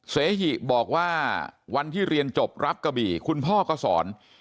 เสหิบอกว่าวันที่เรียนจบรับกะบี่คุณพ่อก็สอน